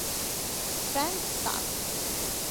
Frank Stubbs